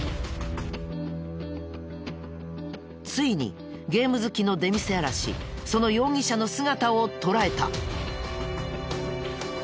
ついにゲーム好きの出店あらしその容疑者の姿を捉えた！